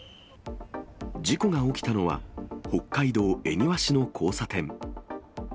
事故が起きたのは、北海道恵庭市の交差点。